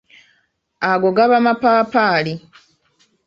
Ago gaba mapaapaali.